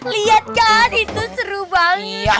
lihat kan itu seru banget